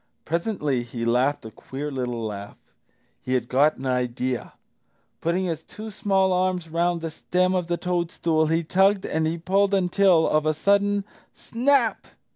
Presently he laughed a queer little laugh. He had got an idea! Putting his two small arms round the stem of the toadstool he tugged and he pulled until, of a sudden, snap!